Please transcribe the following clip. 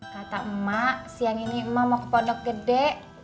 kata emak siang ini emak mau ke pondok gede